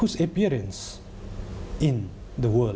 และพอพวกเป็นตำรวจผู้คนสำคัญกังด่ามึง